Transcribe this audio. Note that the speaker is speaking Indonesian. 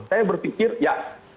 saya berpikir ya